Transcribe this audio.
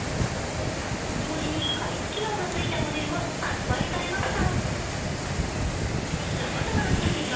同時に、加湿機能がついたモデルも発売されました。